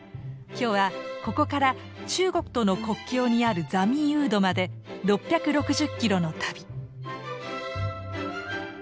今日はここから中国との国境にあるザミンウードまで６６０キロの旅。